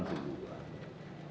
aku mau tidur dulu